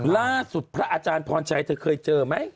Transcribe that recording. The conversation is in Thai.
พระอาจารย์พรชัยเธอเคยเจอไหม